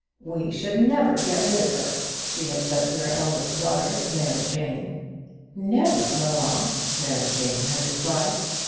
"We should never get rid of her," she had said to her eldest daughter, Mary Jane. "Never, mamma," Mary Jane had replied.